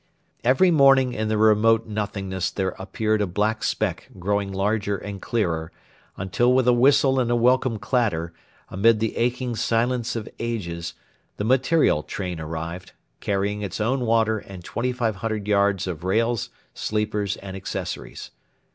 Every morning in the remote nothingness there appeared a black speck growing larger and clearer, until with a whistle and a welcome clatter, amid the aching silence of ages, the 'material' train arrived, carrying its own water and 2,500 yards of rails, sleepers, and accessories.